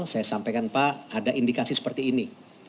saya sampaikan pak ada indikasi seperti ini